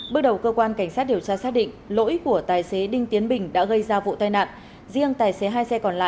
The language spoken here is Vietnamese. bước đầu cơ quan cảnh sát điều tra xác định lỗi của tài xế đinh tiến bình đã gây ra vụ tai nạn